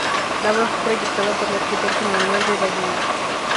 La obra fue proyectada por el arquitecto Manuel de la Ballina.